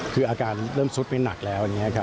คืออาการเริ่มสุดไปหนักแล้ว